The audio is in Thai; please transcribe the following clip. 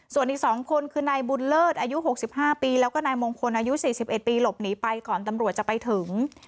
ส่วนอีกสองคนคือนายบุญเลิศอายุหกสิบห้าปีแล้วก็นายมงคลอายุสี่สิบเอ็ดปีหลบหนีไปก่อนตำรวจจะไปถึง